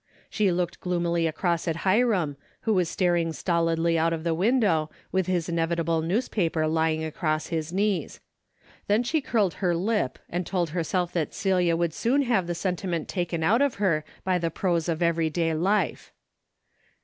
She looked gloomily across at Hiram, who was staring stolidly out of the window, with his inevitable newspaper lying across his knees. Then she curled her lip and told herself that Celia would soon have the sentiment taken out of her by the prose of everyday life.